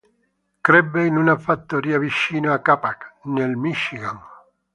Crebbe in una fattoria vicino a Capac, nel Michigan.